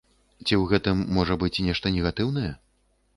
Ці ў гэтым можа быць нешта негатыўнае?